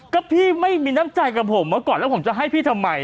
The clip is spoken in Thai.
ก็พี่ไม่มีน้ำใจกับผมเมื่อก่อนแล้วผมจะให้พี่ทำไม